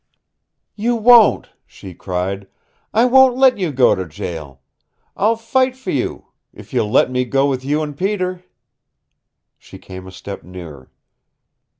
"You won't!" she cried. "I won't let you go to jail. I'll fight for you if you'll let me go with you and Peter!" She came a step nearer.